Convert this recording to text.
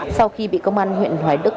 sau khi bị công an huyện hải đức